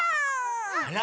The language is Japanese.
あら。